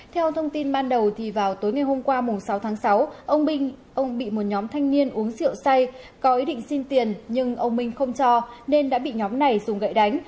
theo thông tin ban đầu vào tối ngày hôm qua sáu tháng sáu ông bị một nhóm thanh niên uống rượu say có ý định xin tiền nhưng ông minh không cho nên đã bị nhóm này dùng gậy đánh